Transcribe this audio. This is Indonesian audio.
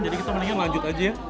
jadi kita mendingan lanjut aja ya